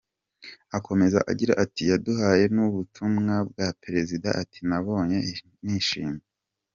Akomeza agira ati “Yaduhaye n’ubutumwa bwa Perezida …ati ‘Nababonye nishimye’”.